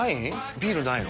ビールないの？